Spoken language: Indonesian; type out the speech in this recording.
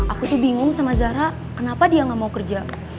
aku tuh bingung sama zahra kenapa dia nggak mau kerja